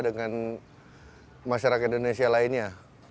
dengan masyarakat indonesia lainnya